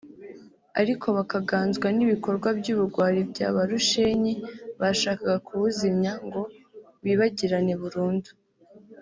ariko bakaganzwa n’ibikorwa by’ubugwari bya ba rushenyi bashakaga kuwuzimya ngo wibagirane burundu